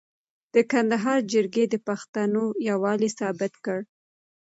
د کندهار جرګې د پښتنو یووالی ثابت کړ.